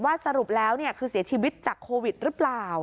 สรุปแล้วคือเสียชีวิตจากโควิดหรือเปล่า